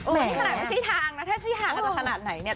แม้ขนาดที่ที่ทางนะถ้าที่ทางจะเป็นขนาดไหนเนี่ย